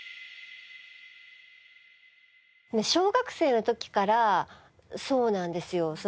小学生の時からそうなんですよ。